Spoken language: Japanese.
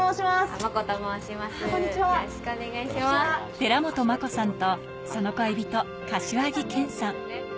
寺本真子さんと、その恋人・柏木謙さん。